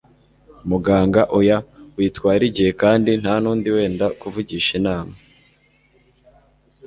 Muganga oya witwara igihe kandi ntanundi wenda kugisha inama